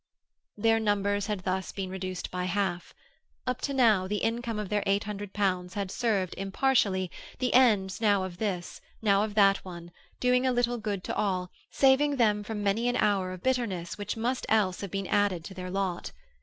Their numbers had thus been reduced by half. Up to now, the income of their eight hundred pounds had served, impartially, the ends now of this, now of that one, doing a little good to all, saving them from many an hour of bitterness which must else have been added to their lot.